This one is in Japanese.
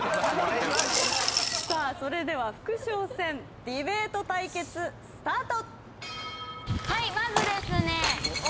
それでは副将戦ディベート対決スタート！